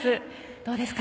どうですか。